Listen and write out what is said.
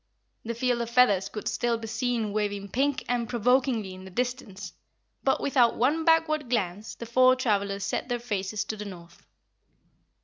The field of feathers could still be seen waving pink and provokingly in the distance, but without one backward glance the four travelers set their faces to the north.